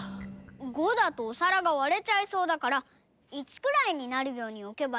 ５だとおさらがわれちゃいそうだから１くらいになるようにおけばいいんじゃない？